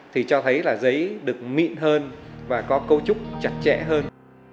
thì cho thấy là giấy được mịn hơn và có cấu trúc chặt chẽ hơn